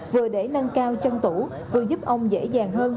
vừa để nâng cao chân tủ vừa giúp ông dễ dàng hơn